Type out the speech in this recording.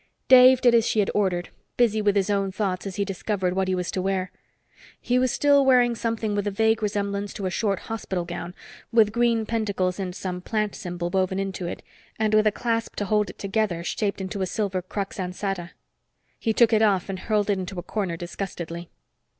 Dave did as she had ordered, busy with his own thoughts as he discovered what he was to wear. He was still wearing something with a vague resemblance to a short hospital gown, with green pentacles and some plant symbol woven into it, and with a clasp to hold it together shaped into a silver crux ansata. He took it off and hurled it into a corner disgustedly.